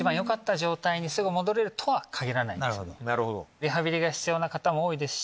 リハビリが必要な方も多いですし。